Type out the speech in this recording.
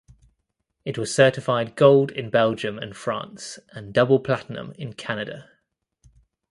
It was certified gold in Belgium and France and double platinum in Canada.